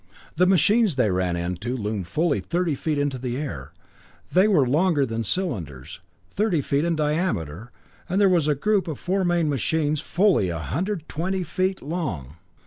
The machines they ran into loomed fully thirty feet into the air; they were longer than cylinders, thirty feet in diameter, and there was a group of four main machines fully a hundred twenty feet long!